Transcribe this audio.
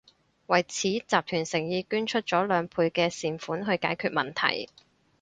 為此，集團誠意捐出咗兩倍嘅善款去解決問題